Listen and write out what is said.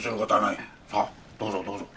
さあどうぞどうぞ。